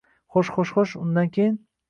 Xo’sh, xo’sh, undan keyin…